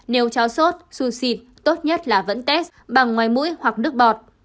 nếu cháu sốt su sịt tốt nhất là vẫn test bằng ngoài mũi hoặc đứt bọt